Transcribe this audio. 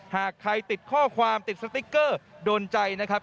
หากใครติดข้อความติดสติ๊กเกอร์โดนใจนะครับ